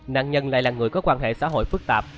nạn nhân lại là người có quan hệ xã hội phức tạp